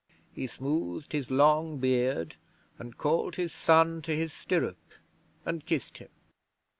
He smoothed his long beard, and called his son to his stirrup and kissed him.